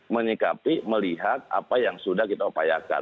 menyikapi melihat apa yang sudah kita upayakan